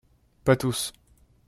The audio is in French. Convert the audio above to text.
Pas tous